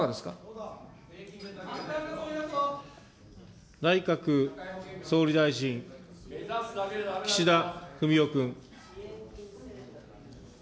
増える内閣総理大臣、岸田文雄君。